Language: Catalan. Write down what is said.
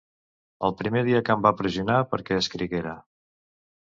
El primer dia que em va pressionar perquè escriguera.